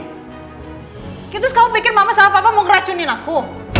ya terus kamu pikir mama sama papa mau ngeracunin aku